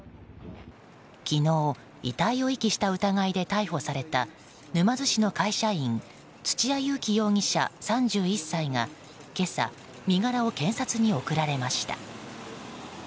昨日、遺体を遺棄した疑いで逮捕された沼津市の会社員土屋勇貴容疑者、３１歳が今朝、身柄を検察に送られました。